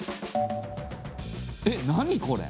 えっ何これ？